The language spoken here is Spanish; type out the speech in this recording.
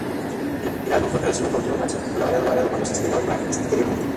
El álbum fue producido por Joe Watson, quien ha colaborado con los Stereolab anteriormente.